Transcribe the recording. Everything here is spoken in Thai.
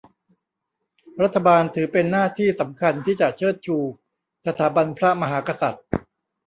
รัฐบาลถือเป็นหน้าที่สำคัญที่จะเชิดชูสถาบันพระมหากษัตริย์